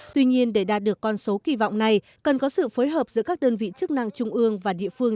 tuy nhiên để đạt được con số kỳ vọng này cần có sự phối hợp giữa các đơn vị chức năng trung ương và địa phương